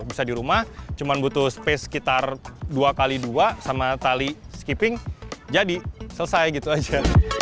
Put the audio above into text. bisa di rumah cuma butuh space sekitar dua x dua sama tali skipping jadi selesai gitu aja